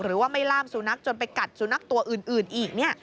หรือว่าไม่ล่ามสุนัขจนไปกัดสุนัขตัวอื่นอีก